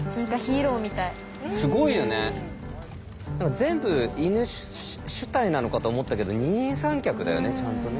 全部犬主体なのかと思ったけど二人三脚だよねちゃんとね。